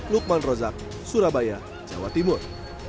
lukman rozak surabaya jawa timur